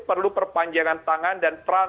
perlu perpanjangan tangan dan terang